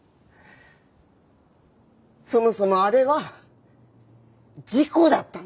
そもそもあれは事故だったんだ。